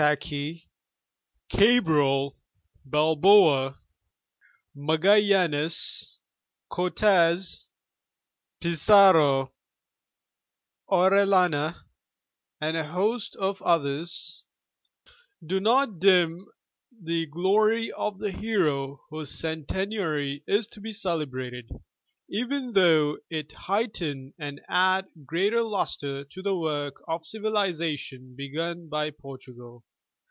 2Y5 Alburqiierque, Cabral, Balboa, Magallanes, Cortes, Pizarro, Orel lana, and a host of others, do not dim the glory of the hero whose centennary is to be celebrated, even though it heighten and add greater luster to the work of civilization begun by Poi'tugal.